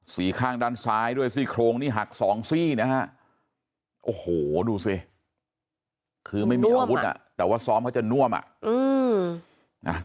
ข้างด้านซ้ายด้วยซี่โครงนี่หักสองซี่นะฮะโอ้โหดูสิคือไม่มีอาวุธอ่ะแต่ว่าซ้อมเขาจะน่วมอ่ะอืม